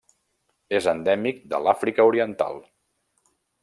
És endèmic de l'Àfrica Oriental.